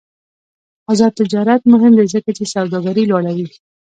آزاد تجارت مهم دی ځکه چې سوداګري لوړوي.